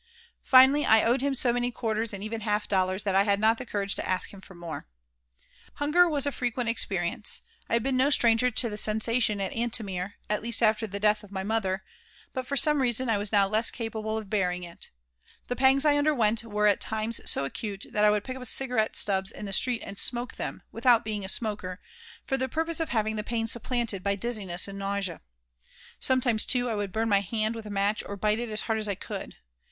Finally I owed him so many quarters, and even half dollars, that I had not the courage to ask him for more Hunger was a frequent experience. I had been no stranger to the sensation at Antomir, at least after the death of my mother; but, for some reason, I was now less capable of bearing it. The pangs I underwent were at times so acute that I would pick up cigarette stubs in the street and smoke them, without being a smoker, for the purpose of having the pain supplanted by dizziness and nausea. Sometimes, too, I would burn my hand with a match or bite it as hard as I could.